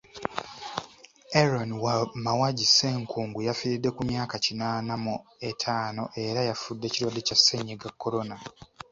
Aaron Mawagi Ssenkungu yafiiridde ku myaka kinaana mu etaano era nga yafudde kirwadde kya Ssennyiga Corona.